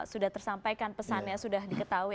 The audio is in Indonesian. sudah tersampaikan pesannya sudah diketahui